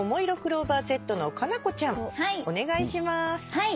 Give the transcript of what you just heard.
はい。